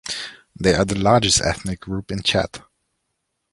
They are the largest ethnic group in Chad.